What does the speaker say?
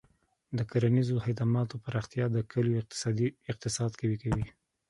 د کرنیزو خدماتو پراختیا د کلیو اقتصاد قوي کوي.